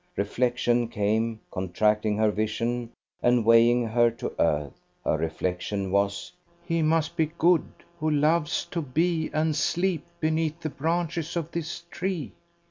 Reflection came, contracting her vision and weighing her to earth. Her reflection was: "He must be good who loves to be and sleep beneath the branches of this tree!"